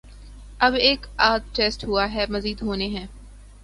اب ایک آدھ ٹیسٹ ہوا ہے، مزید ہونے ہیں۔